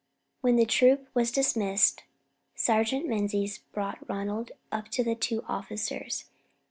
When the troop was dismissed Sergeant Menzies brought Ronald up to the two officers.